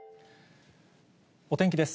お天気です。